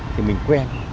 thì mình quen